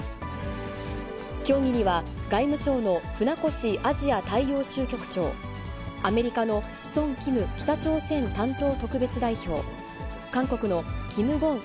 協議には、外務省の船越アジア大洋州局長、アメリカのソン・キム北朝鮮担当特別代表、韓国のキム・ゴン